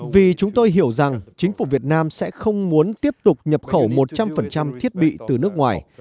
vì chúng tôi hiểu rằng chính phủ việt nam sẽ không muốn tiếp tục nhập khẩu một trăm linh thiết bị từ nước ngoài